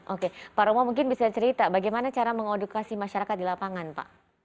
oke pak romo mungkin bisa cerita bagaimana cara mengedukasi masyarakat di lapangan pak